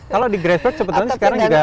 kalau di grassberg sebetulnya sekarang juga